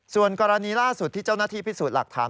ส่วนกรณีล่าสุดที่เจ้าหน้าที่พิสูจน์หลักฐาน